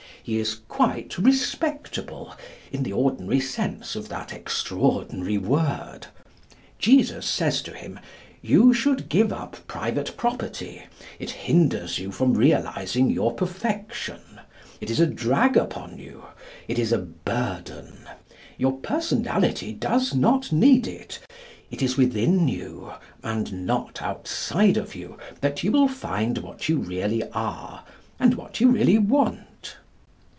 He is quite respectable, in the ordinary sense of that extraordinary word. Jesus says to him, 'You should give up private property. It hinders you from realising your perfection. It is a drag upon you. It is a burden. Your personality does not need it. It is within you, and not outside of you, that you will find what you really are, and what you really want.